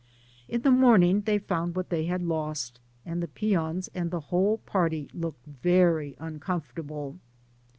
In the morning they found what they had lost, land the peons and the whole party looked very un comfortable.